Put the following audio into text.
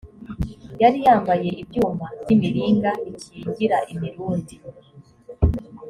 yari yambaye ibyuma by imiringa bikingira imirundi